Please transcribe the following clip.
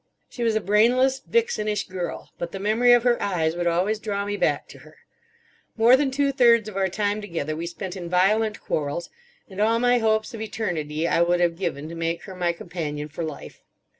She was a brainless, vixenish girl, but the memory of her eyes would always draw me back to her. More than two thirds of our time together we spent in violent quarrels; and all my hopes of eternity I would have given to make her my companion for life.